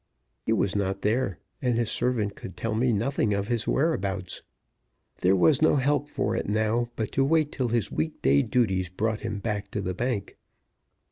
He was not there, and his servant could tell me nothing of his whereabouts. There was no help for it now but to wait till his weekday duties brought him back to the bank.